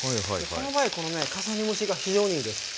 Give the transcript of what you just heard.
その場合この重ね蒸しが非常にいいです。